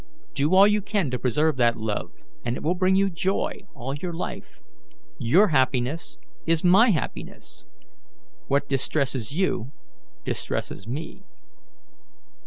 "Do all you can to preserve that love, and it will bring you joy all your life. Your happiness is my happiness. What distresses you, distresses me."